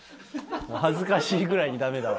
恥ずかしいぐらいにだめだわ。